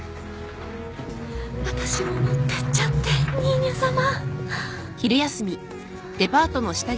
私も持ってっちゃってニーニャさま。